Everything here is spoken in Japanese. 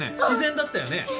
自然だったよね？